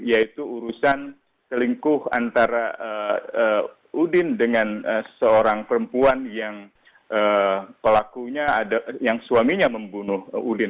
yaitu urusan selingkuh antara udin dengan seorang perempuan yang pelakunya yang suaminya membunuh udin